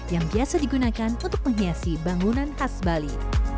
yang biasa digunakan untuk menghiasi bangunan khas bali